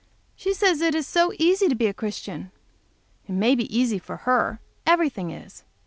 She says it is so easy to be a Christian! It may be easy for her; everything is.